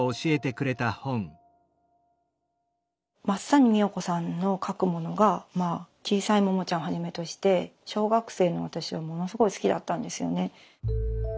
松谷みよ子さんの書くものが「ちいさいモモちゃん」をはじめとして小学生の私はものすごい好きだったんですよね。